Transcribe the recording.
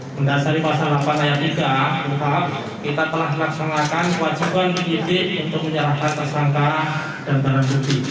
mendasari pasal delapan ayat tiga kita telah melaksanakan kewajiban penyidik untuk menyalahkan tersangka dan barang bukti